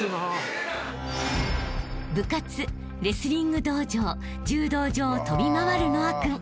［部活レスリング道場柔道場を飛び回る和青君］